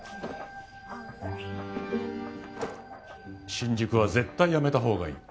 新宿は絶対やめたほうがいい。